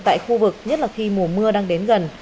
tại khu vực nhất là khi mùa mưa đang đến gần